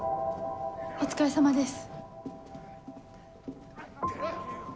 お疲れさまです。